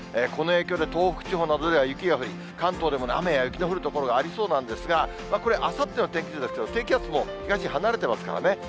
この影響で、東北地方などでは雪が降り、関東でも雨や雪の降る所がありそうなんですが、これ、あさっての天気図だと、低気圧、東へ離れてますからね。